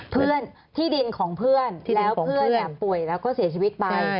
เพื่อนที่ดินของเพื่อนแล้วเพื่อนป่วยแล้วก็เสียชีวิตไป